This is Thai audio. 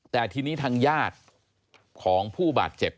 แต่ทีนี้ทางญาติของผู้บาดเจ็บ